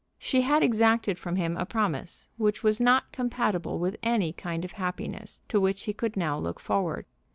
She had exacted from him a promise which was not compatible with any kind of happiness to which he could now look forward.